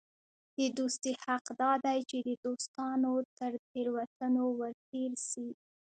د دوستي حق دا دئ، چي د دوستانو تر تېروتنو ور تېر سې.